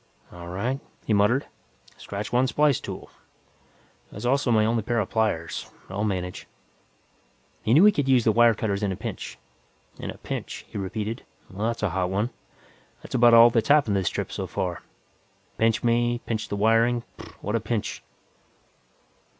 "All right," he muttered, "scratch one splice tool. It was also my only pair of pliers, but I'll manage." He knew he could use the wire cutters in a pinch. "In a pinch," he repeated. "Oh, that's a hot one. That's about all that's happened this trip, so far. Pinch me, pinch the wiring What a pinch!"